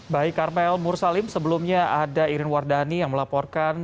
baik karmel mursalim sebelumnya ada irin wardani yang melaporkan